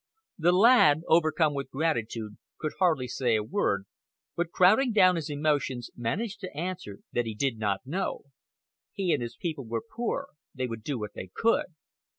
The lad, overcome with gratitude, could hardly say a word, but crowding down his emotions, managed to answer that he did not know. He and his people were poor, they would do what they could.